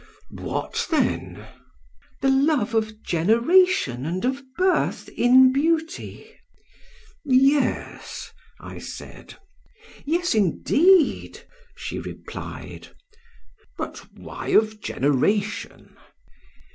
"'What then?' "'The love of generation and of birth in beauty.' "'Yes,' I said. "'Yes indeed,' she replied. "'But why of generation?'